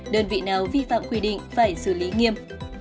đơn vị nào vi phạm quy định phải xử lý nghiêm